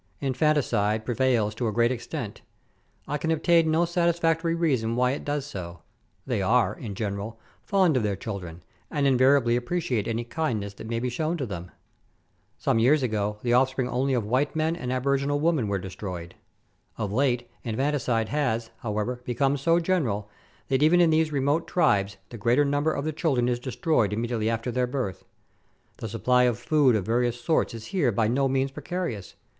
Infanticide prevails to a great extent. I can obtain no satis factory reason why it does so ; they are, in general, fond of their children, and invariably appreciate any kindness that may be shown to them. Some years ago the offspring only of white men and aboriginal women were destroyed ; of late, infanticide has, however, become so general, that even in these remote tribes the greater number of the children is destroyed immediately after their birth. The supply of food of various sorts is here by no means precarious.